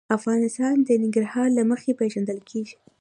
افغانستان د ننګرهار له مخې پېژندل کېږي.